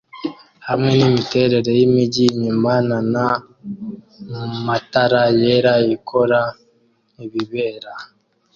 Hamwe nimiterere yimijyi inyuma nana matara yera ikora ibibera